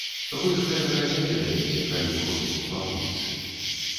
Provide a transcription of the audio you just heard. Вы ж гэтага не ведаеце, калі ходзіце па вуліцы.